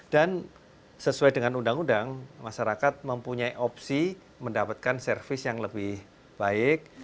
dan sesuai dengan undang undang masyarakat mempunyai opsi mendapatkan servis yang lebih baik